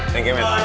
thank you man